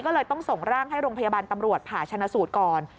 ก็เลยต้องส่งร่างให้โรงพยาบาลตำรวจผ่าชนะสูตรก่อน